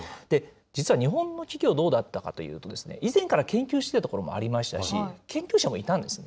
実は日本の企業どうだったかというとですね、以前から研究しているところもありましたし、研究者もいたんですね。